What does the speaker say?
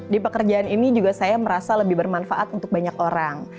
di pekerjaan ini juga saya merasa lebih bermanfaat untuk banyak orang